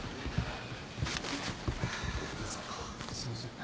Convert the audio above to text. すいません。